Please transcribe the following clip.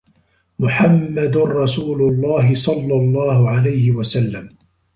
محمد رسول الله، صلى الله عليه وسلم